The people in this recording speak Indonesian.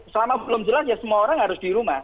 selama belum jelas ya semua orang harus di rumah